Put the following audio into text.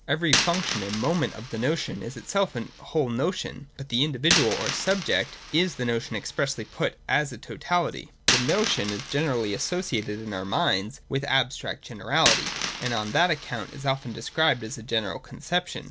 Every function and ' moment ' of the notion is itself the whole notion (§ 160) ; but the individual or subject is the notion expressly put as a totality. (i) The notion is generally associated in our minds with abstract generality, and on that account it is often described as a general conception.